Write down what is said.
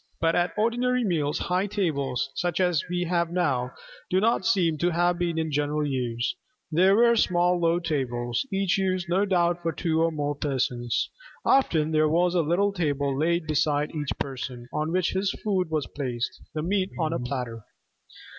But at ordinary meals, high tables, such as we have now, do not seem to have been in general use. There were small low tables, each used no doubt for two or more persons. Often there was a little table laid beside each person, on which his food was placed the meat on a platter.